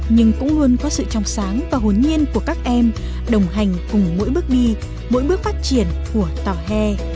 nhưng cũng luôn có sự trong sáng và hồn nhiên của các em đồng hành cùng mỗi bước đi mỗi bước phát triển của tàu he